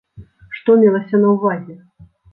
Што мелася на ўвазе?